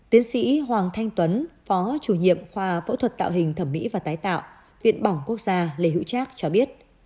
tiến sĩ hoàng thanh tuấn phó chủ nhiệm khoa phẫu thuật tạo hình thẩm mỹ và tái tạo viện bỏng quốc gia lê hữu trác cho biết